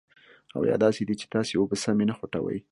او یا داسې دي چې تاسې اوبه سمې نه خوټوئ.